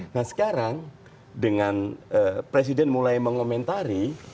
nah sekarang dengan presiden mulai mengomentari